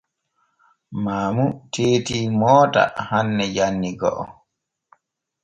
Maamu teeti moota hanne janni go’o.